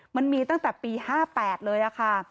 มันมีตั้งแต่ปี๕๘เลยค่ะ